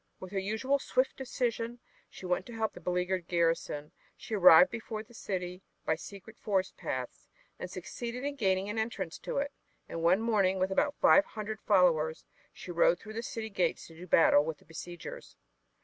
With her usual swift decision she went to help the beleaguered garrison. She arrived before the city by secret forest paths and succeeded in gaining an entrance to it. And one morning with about five hundred followers she rode through the city gates to do battle with the besiegers.